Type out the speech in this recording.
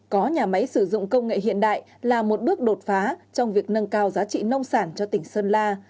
có nhà máy sử dụng công nghệ hiện đại là một bước đột phá trong việc nâng cao giá trị nông sản cho tỉnh sơn la